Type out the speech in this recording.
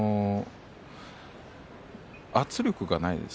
圧力がないです